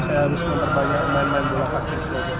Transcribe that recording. saya harus banyak banyak main main bola kaki